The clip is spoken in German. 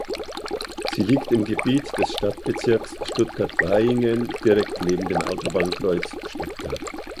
Sie liegt im Gebiet des Stadtbezirks Stuttgart-Vaihingen, direkt neben dem Autobahnkreuz Stuttgart.